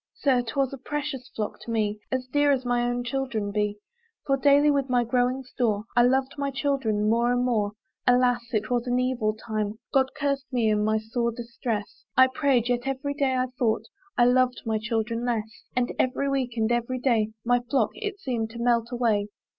Sir! 'twas a precious flock to me, As dear as my own children be; For daily with my growing store I loved my children more and more. Alas! it was an evil time; God cursed me in my sore distress, I prayed, yet every day I thought I loved my children less; And every week, and every day, My flock, it seemed to melt away.